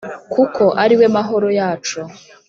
Kuko ari we mahoro yacu